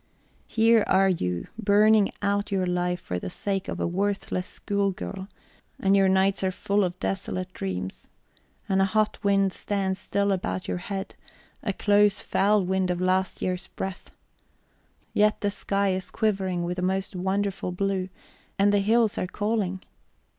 Here are you burning out your life for the sake of a worthless schoolgirl, and your nights are full of desolate dreams. And a hot wind stands still about your head, a close, foul wind of last year's breath. Yet the sky is quivering with the most wonderful blue, and the hills are calling.